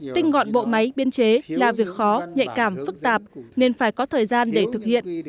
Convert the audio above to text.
tinh gọn bộ máy biên chế là việc khó nhạy cảm phức tạp nên phải có thời gian để thực hiện